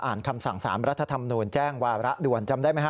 คำสั่ง๓รัฐธรรมนูญแจ้งวาระด่วนจำได้ไหมฮ